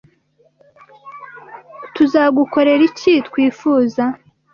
Tuzagukorera iki twifuza?